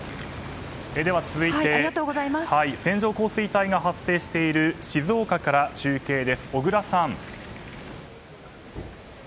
続いて線状降水帯が発生している静岡から中継です、小倉さん。